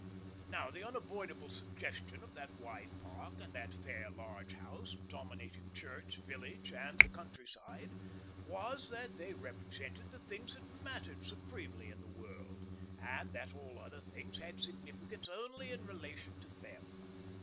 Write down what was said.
Now the unavoidable suggestion of that wide park and that fair large house, dominating church, village and the country side, was that they represented the thing that mattered supremely in the world, and that all other things had significance only in relation to them.